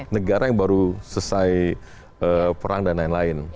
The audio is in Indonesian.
negara yang baru selesai perang dan lain lain